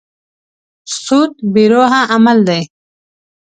سود بې روحه عمل دی.